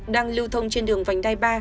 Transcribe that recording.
đang lưu thông trên đường vành đai ba